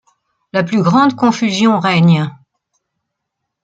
La plus grande confusion règne.